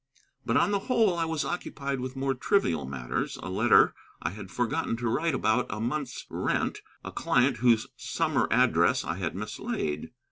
But on the whole I was occupied with more trivial matters a letter I had forgotten to write about a month's rent, a client whose summer address I had mislaid.